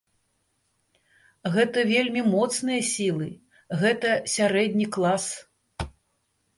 Гэта вельмі моцныя сілы, гэта сярэдні клас.